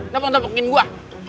dia mau topokekin gua